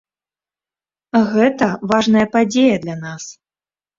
Гэта важная падзея для нас.